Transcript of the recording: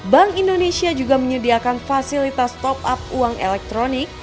bank indonesia juga menyediakan fasilitas top up uang elektronik